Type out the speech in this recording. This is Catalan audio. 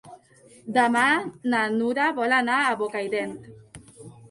Demà na Nura vol anar a Bocairent.